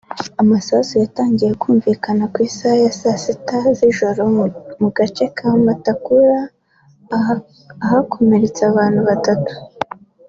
Amasasu yatangiye kumvikana ku isaha ya saa tatu z’ijoro mu gace ka Mutakura ahakomeretse abantu batatu